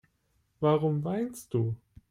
Warum weinst du?